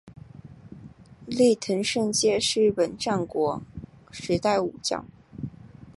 内藤胜介是日本战国时代武将。